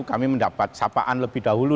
kami mendapat sapaan lebih dahulu